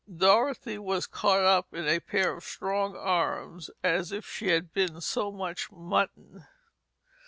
Dorothy was caught up in a pair of strong arms as if she had been so much mutton.